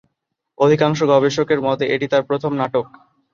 অধিকাংশ গবেষকের মতে এটি তার প্রথম নাটক।